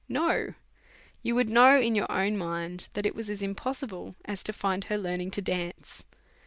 No ; you would know in your own mind that it was as impossible as to find her learning to dance.